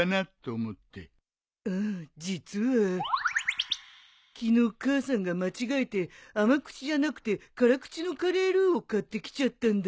ああ実は昨日母さんが間違えて甘口じゃなくて辛口のカレールーを買ってきちゃったんだよ。